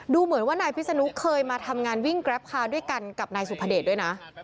ดูเหมือนว่านายพิศนุเคยมาทำงานวิ่งแกรปคาร์ด้วยกันกับนายสุภเดชด้วยนะ